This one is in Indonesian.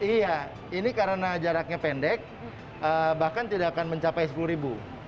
iya ini karena jaraknya pendek bahkan tidak akan mencapai sepuluh ribu